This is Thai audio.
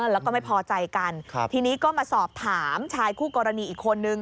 แล้วก็ไม่พอใจกันทีนี้ก็มาสอบถามชายคู่กรณีอีกคนนึง